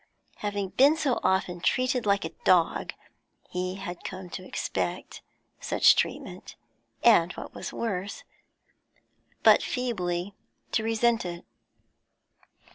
Having been so often treated like a dog, he had come to expect such treatment, and, what was worse, but feebly to resent it.